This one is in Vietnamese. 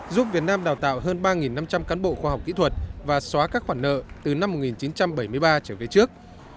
giúp việt nam đào tạo hơn ba năm trăm linh cán bộ khoa học kỹ thuật và xóa các khoản nợ từ năm một nghìn chín trăm bảy mươi ba trở về trước